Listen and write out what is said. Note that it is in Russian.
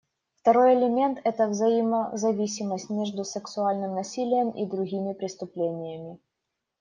Второй элемент — это взаимозависимость между сексуальным насилием и другими преступлениями.